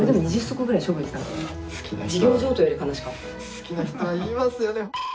好きな人は言いますよね。